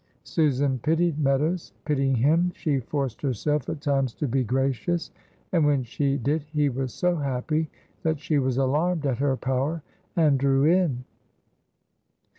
Susan pitied Meadows. Pitying him, she forced herself at times to be gracious, and when she did he was so happy that she was alarmed at her power and drew in.